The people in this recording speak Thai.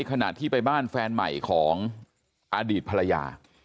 ขณะที่ไปบ้านแฟนใหม่ของอดีตภรรยา